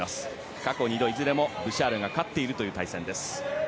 過去２度、いずれもブシャールが勝っているという対戦です。